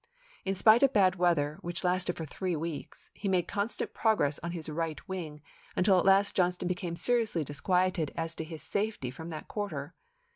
In spite of bad weather, which lasted for three weeks, he made constant progress on his right wing, until at last Johnston became seriously disquieted as to his safety from that quarter.